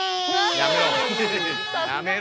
やめろ！